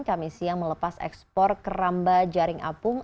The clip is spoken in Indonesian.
kami siang melepas ekspor keramba jaring apung